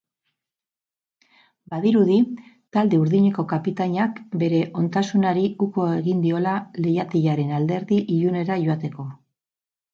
Badirudi talde urdineko kapitainak bere ontasunari uko egin diola lehiaketaren alderdi ilunera joateko.